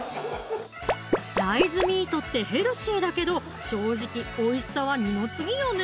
大豆ミートってヘルシーだけど正直おいしさは二の次よね！